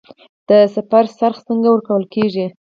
د سفر خرڅ څنګه ورکول کیږي؟